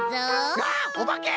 わっおばけ！